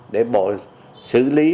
để bộ xử lý